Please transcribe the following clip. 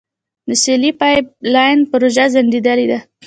د سولې پایپ لاین پروژه ځنډیدلې ده.